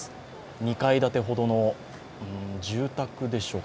２階建てほどの住宅でしょうか。